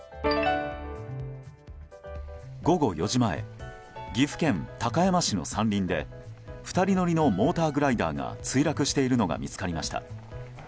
午後４時前岐阜県高山市の山林で２人乗りのモーターグライダーが墜落しているのが見つかりました。